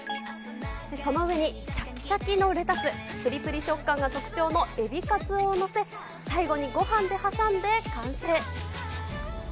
その上にしゃきしゃきのレタス、ぷりぷり食感が特徴のえびカツを載せ、最後にごはんで挟んで完成。